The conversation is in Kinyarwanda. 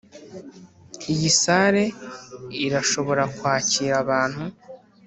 iyi salle irashobora kwakira abantu